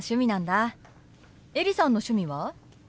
エリさんの趣味は？